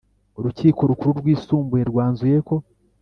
Urukiko rukuru rwisumbuye rwanzuyeko